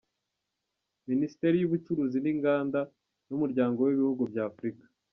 Minisitiri w’Ubucuruzi n’Inganda n’Umuryango w’Ibihugu bya Afurika